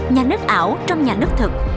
nhà nước ảo trong nhà nước thực